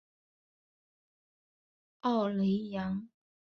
奥雷扬。